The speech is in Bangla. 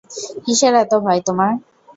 কীসের এত ভয় তোমার?